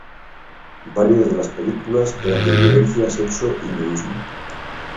Varias de las películas eran de violencia, sexo y nudismo.